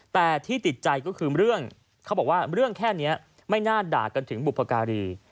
แต่ที่ติดใจก็คือเรื่องเขาบอกว่าเรื่องแค่นี้ไม่น่าด่ากันถึงบุพการี